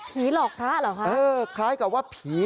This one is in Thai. สายลูกไว้อย่าใส่